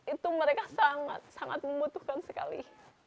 itu mereka sangat sangat membutuhkan sekali